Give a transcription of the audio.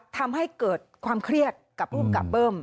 ทำให้เกิดความเครียดกับภูมิกับเบิ้ม